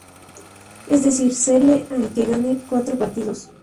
Es decir, serie al que gane cuatro partidos.